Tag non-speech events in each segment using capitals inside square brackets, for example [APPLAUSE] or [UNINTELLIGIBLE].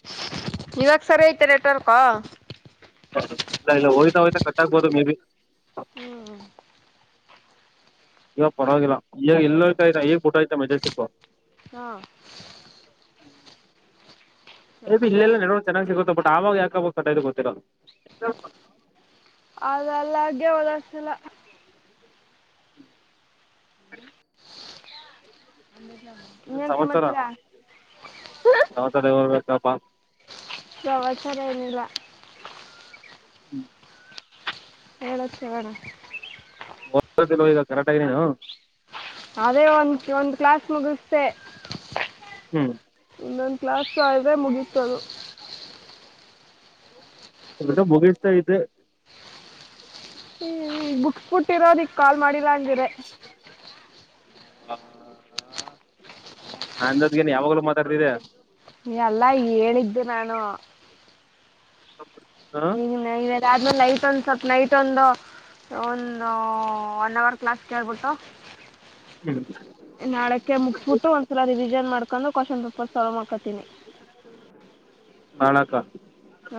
[INAUDIBLE] ಇವಾಗ ಸರಿ ಐತೆ ನೆಟ್ವರ್ಕಾ [INAUDIBLE] ಇಲ್ಲ ಇಲ್ಲ ಹೋ್ತ ಹೋಯ್ತ ಕಟ್ಟಾಗ್ಬಹದು ಮೇಬಿ [INAUDIBLE] ಹ್ಮ್ [INAUDIBLE] ಇವಾಗ ಪರವಾಗಿಲ್ಲ ಈ ಎಲ್ಲ ಆ ಈಗ್ ಬುಟ್ ಆಯ್ತ ಮೆಜೆಸ್ಟಿಕ್ ಹಾ [INAUDIBLE] ಏ ಬಿ ಇಲ್ಲೆಲ್ಲ ಸರಿ ನೆಡೋ ಚೆನ್ನಾಗ್ ಸಿಗುತ್ತ ಬಟ್ ಆವಾಗ ಯಾಕೆಕಟ್ಆಯ್ತೋಗೊತ್ತಿಲ್ಲ ಅಲ್ಲಾಲ್ಗೆ [UNINTELLIGIBLE] ಒದಸಲ ಇನ್ನೇನ್ ಸಮಾಚಾರ [INAUDIBLE] ಸಮಾಚಾರ ಹೇಳಬೇಕನಪ್ಪ ಪ್ರವಚರ ಇಲ್ವಾ [INAUDIBLE] ಹ್ಮ್ ಏಳೋ ಚರಣ ಓಕ್ [UNINTELLIGIBLE] ಕರಾಟೆಗೆ ನೀನು ಅದೇ ಒಂದ ಒಂದ್ ಕ್ಲಾಸ್ ಮುಗುಸ್ದೆ [INAUDIBLE] ಹ್ಮ್ ಇನ್ನೊಂದು ಕ್ಲಾಸ್ ಆದರೆ ಮುಗೀತು ಅದು ಅ ಮುಗ ಇಷ್ಟ ಐತೆ [UNINTELLIGIBLE] ಹ್ಮ್ ಬುಟ್ಬಿಟ್ಟಿರೋದಿಕ್ ಕಾಲ್ ಮಾಡಿಲ್ಲ ಅಂಗಿದ್ರೆ [INAUDIBLE] ನಂದದ್ಗೇನ್ ಯಾವಾಗಲೂ ಮಾತಾಡ್ತಿದ್ದೆ ಎ ಅಲ್ಲ ಹೇಳಿದ್ದು ನಾನು [INAUDIBLE] ಹ [INAUDIBLE] [UNINTELLIGIBLE] ಈಗ ಆದ್ಮೇಲೆ ನೈಟ್ ಒಂದ್ ಸ್ವಲ್ಪ ನೈಟ್ ಒಂದು. ಒಂದು ಒನ್ ಅವರ್ ಕ್ಲಾಸ್ಕೆಲ್ಬಿಟ್ಟು [UNINTELLIGIBLE] ನಾಳೆಕ್ಕೆ ಮುಗಿಸಬಿಟ್ಟು ಒಂದ್ಸಲ ರಿವಿಸ್ -ನ್ ಮಾಡ್ಕೊಂಡು ಕ್ವಶನ್ ಪೇಪರ್ ಸಾಲ್ವ್ ಮಾಡ್ಕೊತೀನಿ ನಾಲಕ್ಕು ಹ್ಮ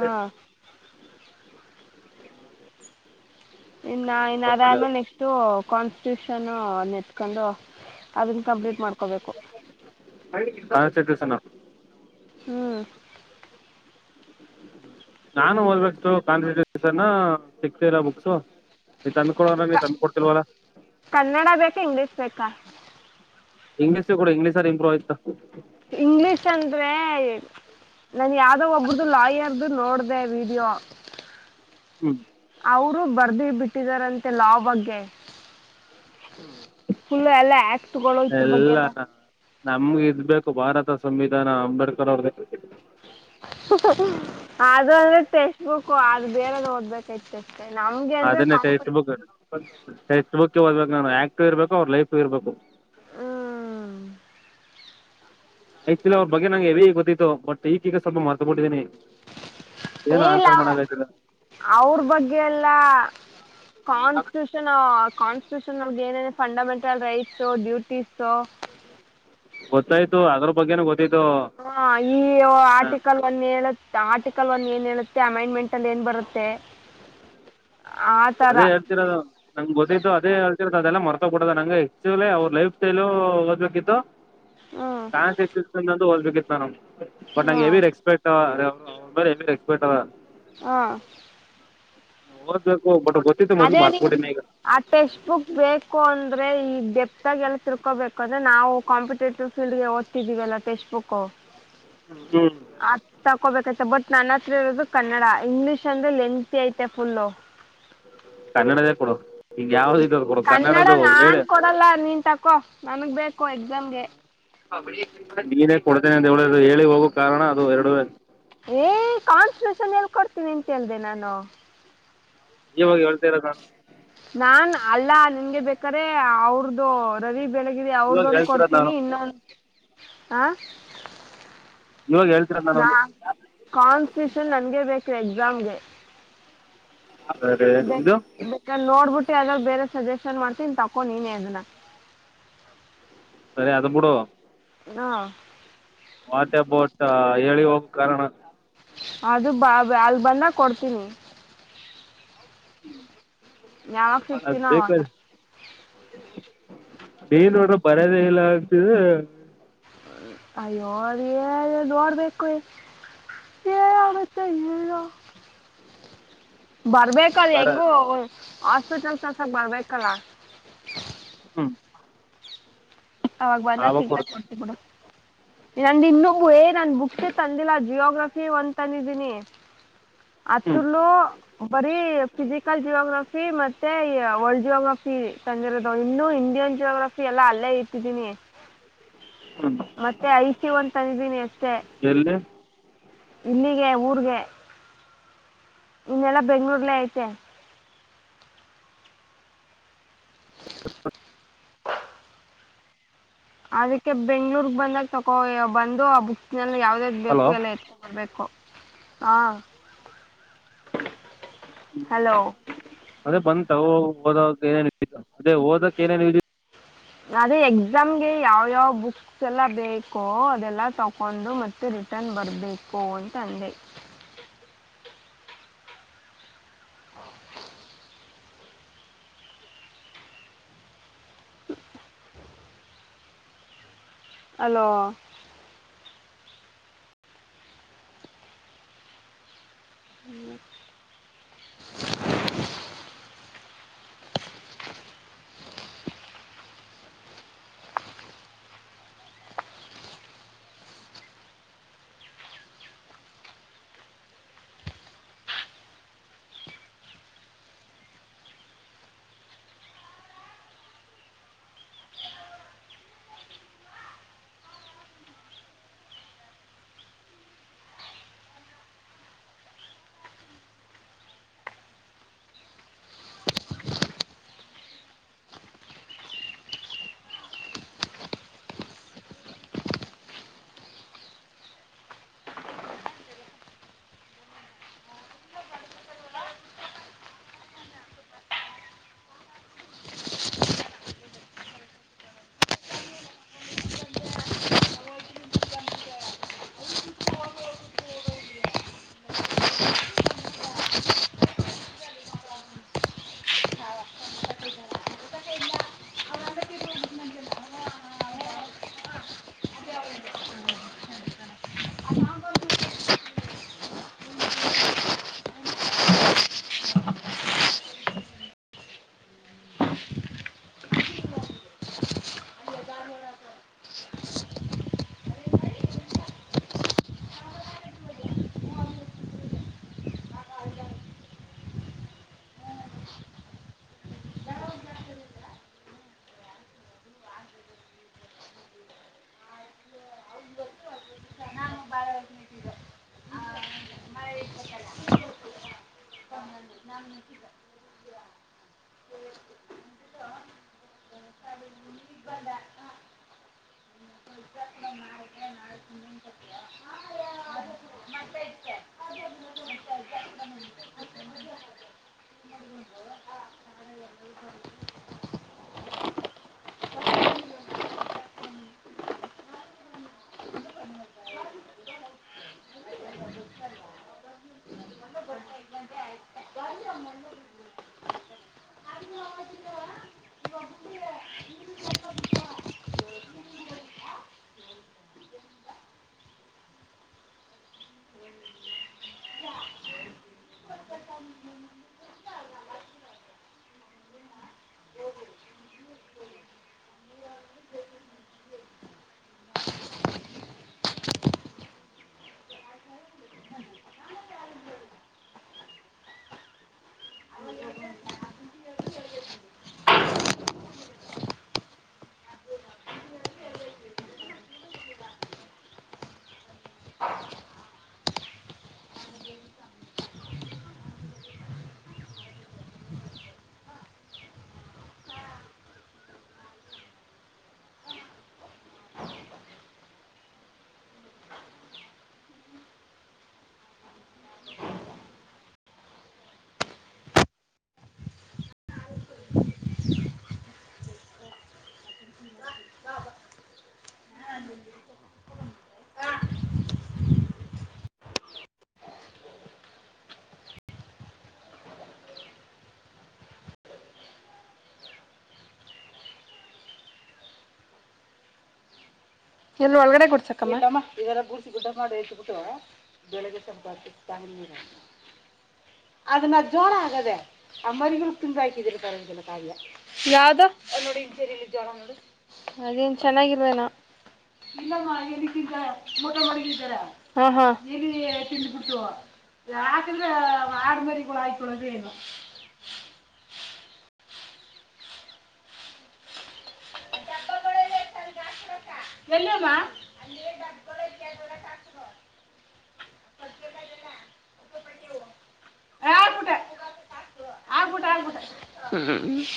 ಇನ್ನು ಮಾಡು ಇನ್ನ ಮಾಡು ಒಳ್ಳೇದು ಅದಾದ್ಮೇಲೆ ನೆಕ್ಸ್ಟ್ ಕಾನ್ಸ್ಟಿಟ್ಯೂಷನ್ ನೆತ್ಕೊಂಡು ಅದನ್ನ ಕಂಪ್ಲೀಟ್ ಮಾಡ್ಕೋಬೇಕು [INAUDIBLE] [UNINTELLIGIBLE] ಸನ್ನು ಹ್ಮ್ [INAUDIBLE] [INAUDIBLE] ನಾನು ಹೋದಬೇಕಷ್ಟು ಕಾನ್ಸ್ಟಿಟ್ಯೂಷನ್ ಸಿಕ್ತಿಲ್ಲ ಬುಕ್ಸು ನೀ ತಂದು ಕೊಡಲ್ಲ ನೀ ತಂದು ಕೊೂಡ್ ತಿಲವಲ್ಲ [INAUDIBLE] ಕನ್ನಡ ಬೇಕಾ ಇಂಗ್ಲೀಷ್ ಬೇಕಾ ಇಂಗ್ಲಷ್ ಕೂಡ ಇಂಗ್ಲೀರ್ ಇಂಪ್ರೂ ಆಯ್ತಾ ಇಂಗ್ಲಿಷ್ ಅಂದ್ರೆ ನನ್ ಯಾವ್ದೋ ಒಬ್ಬ್ದ ಲಾಯರ್ ನೋಡಿದೆ ವೀಡಿಯೋ ಹ್ಮ್ ಅವರು ಬರ್ದ ಬಿಟ್ಟಿದಾರಂತೆ ಲಾ ಬಗ್ಗೆ ಫುಲ್ಲ ಎಲ್ಲ ಆಕ್ಟ್ ತಗಳೋಗತ್ರ ಬಗ್ಗೆ ಎಲ್ಲ ನಮ್ಗೆ ಇದ್ಬೇಕೇಕು ಭಾರತ ಸಂವಿಧಾನ ಅಂಬೇಡ್ಕರ್ ಅವ್ರ್ದ [UNINTELLIGIBLE] ಅದು ಅಂದ್ರೆ ತೆಸ್ ಬಕ್ಕು ಅದು ಬೇರೆದು ಓದ್ಬೇಕೈತೆ ಅದನ್ನೇ ಟೆಸ್ಟ್ ಬುಕ್ ಟೆಕ್ಸ್ಟ್ ಬುಕ ಓದಬೇಕು ನಾನು ಆಕ್ಟ್ ಇರ್ಬೇಕು ಅವ್ ಲೈಫ್ ಇರ್ಬೇಕು ಹ್ಞೂ ಆಯ್ತಲ್ಲ ಅವ್ರ ಬಗ್ಗೆ ನಂಗೆ ಹೆವಿ ಗೊತ್ತಿತ್ತು ಬಟ್ ಈಗೀಗ ಸ್ವಲ್ಪ ಮಾರ್ತ ಬಿಟ್ಟಿದ್ದೀನಿ ಏನು ಏ ಇಲ್ಲ ಆನ್ಸರ್ ಅವ್ರ ಮಾಡಕಯ್ತರ ಅವ್ರ ಬಗ್ಗೆ ಎಲ್ಲ ಕಾನ್ಸ್ಟಿಟ್ಯೂಷನ್ ಕಾನ್ಸ್ಟಿಟ್ಯೂಷನ್ ನ ಏನೇ ಫಂಡಮೆಂಟಲ್ ರೈಟ್ಸು ಡ್ಯೂಟೀಸು ಗೊತ್ತಾಯ್ತು ಅದ ಬಗ್ಗೆನ ಗೊತ್ತ ಹಾ ಈ ಆರ್ಟಿಕಲ್ ಒಂದ ಹೇಳ ಆರ್ಟಿಕಲ್ ಒನ್ ಏನ್ ಹೇಳುತ್ತೆ ಅಮೈಂಡ್ಮೆಂಟ್ ಅಲ್ಲಿ ಏನ್ ಬರುತ್ತೆ ಆ ಥರ ಅದೇ ಹೇಳ್ತೀರಾ ನಂಗೆ ಗೊತ್ತತ್ತುು ಅದೇ ಹೇಳ್ತ ಅದೆಲ್ಲ ಮರ್ತ್ ಬಿಡದ ನಂಗೆ ಆಕ್ಚುಲಿ ಅವ್ರ ಲೈಫ್ ಸ್ಟೈಲು ಓದ್ಬೇಕಿತ್ತು ಹ್ಞೂ ಕನ್ಂತ ಓದಬೇಕಿತ್ತು ನ ನ ಬಟ್ ಹ್ಞೂ ನಂಗೆ ಹೆವಿ ರೆಸ್ಪೆಕ್ಟ್ ಹ್ಮ ಬರ ಎಕ್ಸ್ಪರ್ಟ್ ಅ ಅವ ಹಾ ಓದ್ಬೇಕು ಬ ಅದೇ ನೀ ಆ ಟೆಕ್ಸ್ಟ್ ಬುಕ್ ಬೇಕು ಅಂದ್ರೆ ಈ ಬೆ ಸಾಗ ಎಲ್ಲ ತಿರ್ಕೋಬೇಕು ಅ್ರ ನಾವು ಕಾಂಪಿಟೇಟಿವ್ ಫೀಲ್ ಓದ್ತಿದೀವಿಲ್ಲ ಟೆಕ್ಸ್ಟ್ ಬುಕ್ ಹ್ಮ ಹ್ಮ್ ಹಕೋಬೇಕತೆ ಬಟ್ ನನ್ನ ಹತ್ರ ಇರೋದು ಕನ್ನಡ ಇಂಗ್ಲಿಷ್ ಅಂದ್ರೆ ಲೆಂತಿ ಐತೆ ಫುಲ್ ಕನ್ನಡದೇ ಕೊಡು ಈಗ ಯಾವ್ದ ಇದ ಕೊಡು ಕನ್ನಡ ಕನ್ನಡದು ನಾನ್ ಹೇಳಿ ಕೊಡಲ್ಲ ನಿನ್ಂತಾಕೋ ನನ್ಗ್ ಬೇಕು ಎಕ್ಸಾಮ್ಗೆ ನೀನೇ ಕೊಡ್ತೇನೆ ಅಂತದು ಹೇಳಿ ಹೋಗಕ್ ಕಾರಣ ಅದು ಎರಡ ಏ ಕಾನ್ಸ್ಟಷನ್ ಎಲ್ ಕೊಡ್ತೀನಿ ಅಂತ ಹೇಳ್ದ ನಾನು ಇವಾಗ ಹೇಳ್ತಾ ಇರೋ ನಾನ್ ನಾನ್ ಅಲ್ಲಾ ನಿನ್ಗೆ ಬೇಕಾರೆೆ ಅವ್ರ್ದು ರವಿ ಬೆಳಗ ಇವಾಗ ಅವ್ರ್ದೊಂದು ಹೇಳ್ತಿರೋದು ಕೊಡ್ತೀನಿ ನಾನು ಇನ್ನೊಂದು ಹ ಇವಾಗ ಹೇಳ್ತಿರೋದು ನಾನು ನಾ ಒಂದು ಕಾನ್ಸ್ಪಿಟೂಷನ್ ನನ್ಗೆ ಬೇಕು ಎಕ್ಸಾಮ್ಗೆ ಸರಿ ಇದು ಬೇಕ ನೋಡ್ಬಿಟ್ಟು ಮ ಅದಾಗ ಬೇರೆ ಸಜೆಷನ್ ಮಾಡ್ತೀನ್ಿ ತಕೊಂಡ ನೀನ ಅದನ್ನ ಸರಿ ಅದ ಬಿೂಡ ನ ವಾಟರ್ ಬೋಟ್ ಹೇಳಿ ಹೋಗ ಕಾರಣ ಅದು ಬ ಅಲ್ ಬಂದ ಕೊಡ್ತೀನಿ ಹ್ಮ್ ನ್ತಿನ ಬೇನ್ ನೋಡ್ರ ಬರದ ಎಲ್ಲ ಆಗ್ತಿದೆ ಅಯ್ಯೋ ರ ನೋಡ್ಬೇಕು ಯಾಗತ್ತೆ ಇಲ್ಲ ಬರ್ಬೇಕಲ್ ಬರ ಹೆಂಗು ಹಾಸ್ಪಿಟಲ್ಸ್ಸ ಬರ್ಬೇಕಲ್ಲ ಹಾಞ ಅವಾಗ ಬಂದ ಸಿಗ್ತ ಕೊಡ್ತೇನೆ ಕೊಡ್ತಿ ಬಿಡು ನಂದು ಇನ್ನೊಬ್ ಏ ನನ್ ಬುಕ್ಸ ತಂದಿಲ್ಲ ಜಿಯೋಗ್ರಫಿ ಒಂತಂದಿದ್ದೀನಿ ಹ್ಮ್ ಅತಲ ಬರೀ ಫಿಿಸಿಕಲ್ ಜಿಯೋಗ್ರಫಿ ಫಿ ಮತ್ತೆ ಇ ವರ್ಲ್ಡ್ ಜಿಯೋಗ್ರಫಿ ತಂದಿರೋದು ಇನ್ನು ಇಂಡಿಯನ್ ಜಿಯೋಗ್ರಫಿ ಎಲ್ಲ ಅಲ್ಲೇ ಇ ಟ್ಟಿದೀನಿ ಹ್ಮ್ ಮತ್ತೆ ಐ ಸಿ ಒಂದ್ ತಂದಿದ್ದೀನಿ ಅಷ್ಟೆ ಎಲ್ಲಿ ಇಲ್ಲಿಗೆ ಊರ್ಗೆ ಇನ್ನೆಲ್ಲಾ ಬೆಂಗ್ಳೂರ್ಲ್ಲೇ ಐತೆ ಅನಿಂಟೆಲಿಜಬಲ್ ಟ್ರ ಅದಕ್ಕೆ ಬೆಂಗ್ಳೂರ್ಗ್ ಬಂದಾಗ ತಕೋ ಬಂದು ಅ ಬುಕ್ ದ್ ಯಾವ್ದ ಯಾವ್ದು ಹಲೋ ಬೇಕು ಎಲ್ಲ ಎತ್ತೊಳ್ಬೇಕು ಹ ಹಲೋ ತವು ಓದ ತಯಾರಿ ಅದೇ ಓದಕ್ ಏನೇನು ಇ ಅದೇ ಎಕ್ಸಾಮ್ಗೆ ಯಾವ ಯಾವ ಬುಕ್ಸ್ ಎಲ್ಲ ಬೇಕೋ ಅದೆಲ್ಲ ತಕೊಂಡು ಮತ್ತೆ ರಿಟರ್ನ್ ಬರ್ಬೇಕು ಅಂತ ಅಂದೆ ಅನಿಂಟೆಲಿಜಬಲ್ ಅನಿಂಟೆಲಿಜಬಲ್ ಹಲೋ ಹ್ಮ ಅನಿಂಟೆಲಿಜಬಲ್ ಎಲ್ಲಿ ಒಳಗಡೆ ಗೂಡಸಕ್ಕಮ್ಮ ಇಲ್ಲಮ ಇವೆಲ್ಲ ಗೂಡಸಿ ಗುಡ್ಡೆ ಮಾಡಿ ಇಟ್ ಬಿಟ್ಟು ಬೆಳಗಕ್ ಸ್ವಲ್ಪ ನಿರ ಅದನ್ನ ಜ್ವರ ಆಗದೆ ಅ ಮರಿಗಳು ತಿಂದ್ ಹಾಕಿದೀರಿ ಪರವಗಿಲ್ಲ ಯಾವ್ದೋ ನೋಡಿ ಜ ಅದೇನ್ ಚೆನ್ನಾಗಿಲ್ವೇನೋ ಇಲ್ಲಮ್ಮ ಎಲಿ ತಿಂತದೆ ಮಟ ಮಾಡಗಿದ್ದು ಎಲಿ ತಿಂದ್ಬಿಟ್ಟು ಯಾಕಂದ್ರೆ ಆಡ್ಮರಿಗಳ್ ಆಯ್ಕೊಳದು ಏನೊ ಎಲ್ಲಮ್ಮ ಹ್ಮ್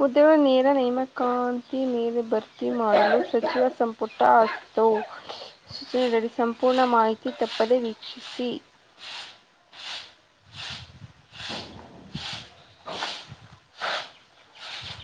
ಹುದ್ದೆಗಳ ನೇರ ನೇಮಕಾಂತಿ ಮೇಲೆ ಭರ್ತಿ ಮಾಡಲು ಸಚಿವ ಸಂಪುಟ ವು ಸೂಚನಡಿ ಸಂಪೂರ್ಣ ಮಾಹಿತಿ ತಪ್ಪದೇ ವೀಕ್ಷಿಸಿ